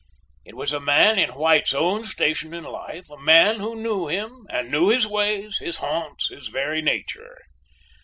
"It was a man in White's own station in life, a man who knew him and knew his ways, his haunts, his very nature.